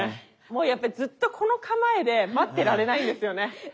もうやっぱりずっとこの構えで待ってられないんですよね。